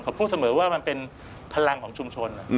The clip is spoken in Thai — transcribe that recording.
ผมพูดเสมอว่ามันเป็นพลังของชุมชน